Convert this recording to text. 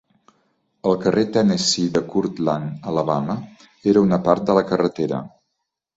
El carrer Tennessee de Courtland, Alabama, era una part de la carretera.